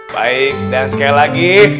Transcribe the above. baik dan sekali lagi